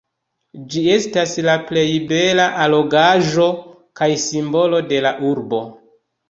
Ĝi estas la plej bela allogaĵo kaj simbolo de la urbo.